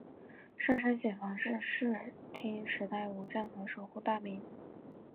上杉显房是室町时代武将和守护大名。